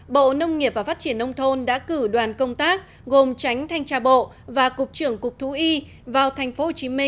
bộ nông nghiệp và phát triển nông thôn đã cử đoàn công tác gồm tránh thanh tra bộ và cục trưởng cục thú y vào tp hcm